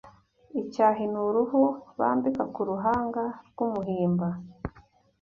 Icyahi :ni uruhu bambika ku ruhanga rw’umuhimba